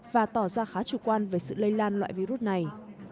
và tỏ ra khá chủ quan về sự lây lan loại virus này